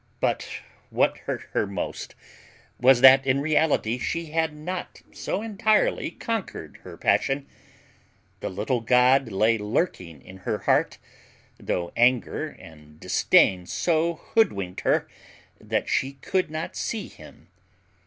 But what hurt her most was, that in reality she had not so entirely conquered her passion; the little god lay lurking in her heart, though anger and distain so hood winked her, that she could not see him.